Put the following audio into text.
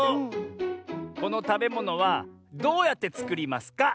このたべものはどうやってつくりますか？